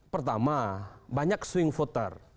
pertama banyak swing voter